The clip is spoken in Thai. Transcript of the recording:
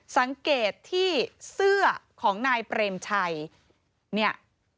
สังเกตที่เสื้อของนายเปรมชัยเนี่ย